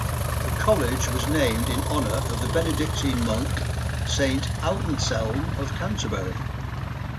The college was named in honor of the Benedictine monk Saint Anselm of Canterbury.